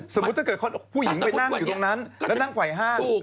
สมมติว่าถ้าเกิดผู้หญิงไปนั่งอยู่ตรงนั้นนั่งไหว้ห้าง